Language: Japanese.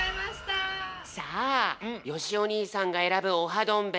さあよしお兄さんが選ぶオハどん！